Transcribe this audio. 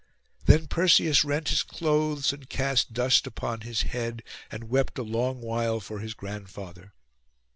Then Perseus rent his clothes, and cast dust upon his head, and wept a long while for his grandfather.